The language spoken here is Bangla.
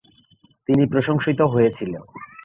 তিনি প্রশংসিত হয়েছিল।